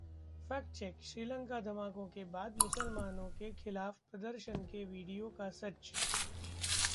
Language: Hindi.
फैक्ट चेक: श्रीलंका धमाकों के बाद मुसलमानों के खिलाफ प्रदर्शन के वीडियो का सच